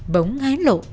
bống hái lộ